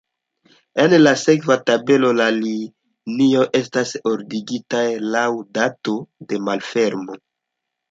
En la sekva tabelo la linioj estas ordigitaj laŭ dato de malfermo.